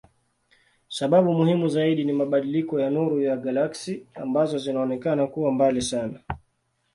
Sababu muhimu zaidi ni mabadiliko ya nuru ya galaksi ambazo zinaonekana kuwa mbali sana.